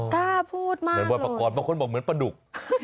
กล้าพูดมากแบบบรอยปากรแม้คนบอกเหมือนปะดุก